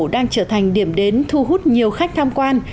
đang trở thành điểm đến thu hút nhiều khách tham quan